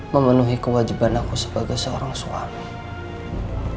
memenuhi kewajiban aku sebagai seorang suami